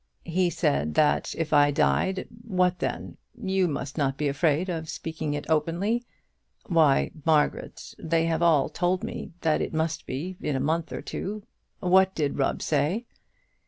He said, that if I died what then? You must not be afraid of speaking of it openly. Why, Margaret, they have all told me that it must be in a month or two. What did Rubb say?"